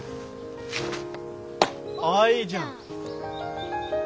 ああいいじゃん。